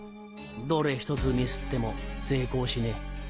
どれひとつミスっても成功しねえ。